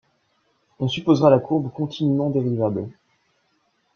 On supposera la courbe continûment dérivable.